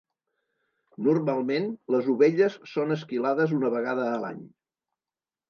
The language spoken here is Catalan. Normalment, les ovelles són esquilades una vegada a l'any.